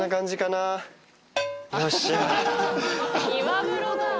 岩風呂だ。